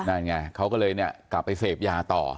นั่นไงเขาก็เลยเนี่ยกลับไปเสพยาต่อ